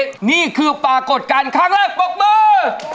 นี่คือปรากฏการณ์ครั้งแรกปรบมือ